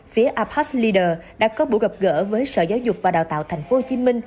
phía apas leaders đã có buổi gặp gỡ với sở giáo dục và đào tạo tp hcm